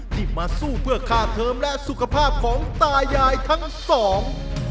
ที่มาสู้เพื่อค่าเทิมและสุขภาพของตายายทั้งสอง